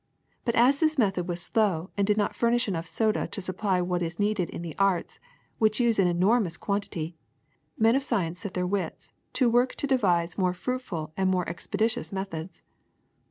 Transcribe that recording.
But as this method was slow and did not furnish enough soda to supply what is needed in the arts, which use an enormous quantity, men of science set their wits to work to de vise more fruitful and more expeditious methods.